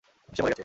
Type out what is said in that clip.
সে মরে গেছে।